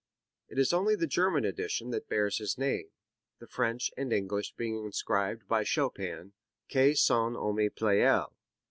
It is only the German edition that bears his name, the French and English being inscribed by Chopin "a son ami Pleyel."